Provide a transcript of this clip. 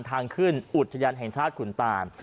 ทางขึ้นอุทยานแห่งชาติขุนตาน